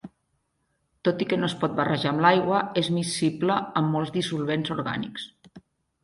Tot i que no es pot barrejar amb l'aigua, és miscible amb molts dissolvents orgànics.